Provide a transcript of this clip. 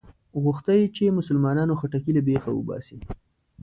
غوښته یې چې مسلمانانو خټکی له بېخه وباسي.